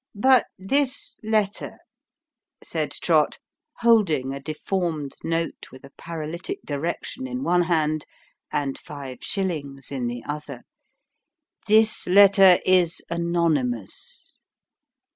" But this letter," said Trott, holding a deformed note with a paralytic direction in one hand, and five shillings in the other " this letter is anonymous."